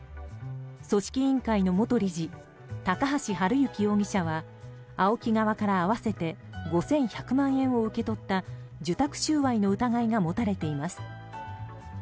組織委員会の元理事高橋治之容疑者はＡＯＫＩ側から合わせて５１００万円を受け取った受託収賄の疑いが持たれています。